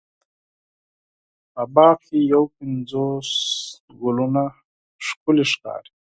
په باغ کې یو پنځوس ګلونه ښکلې ښکاري.